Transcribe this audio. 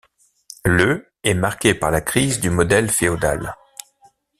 Le est marqué par la crise du modèle féodal.